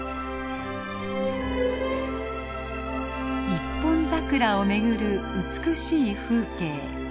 一本桜をめぐる美しい風景。